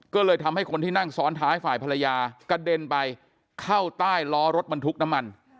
ก็เลยทำให้คนที่นั่งซ้อนท้ายฝ่ายภรรยากระเด็นไปเข้าใต้ล้อรถบรรทุกน้ำมัน